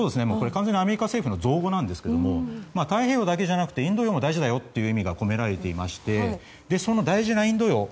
完全にアメリカ政府の造語なんですが太平洋だけじゃなくてインド洋も大事だよという意味が込められていてその大事なインド洋